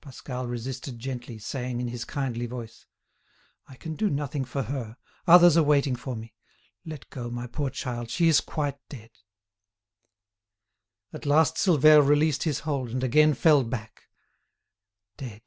Pascal resisted gently, saying, in his kindly voice: "I can do nothing for her, others are waiting for me. Let go, my poor child; she is quite dead." At last Silvère released his hold and again fell back. Dead!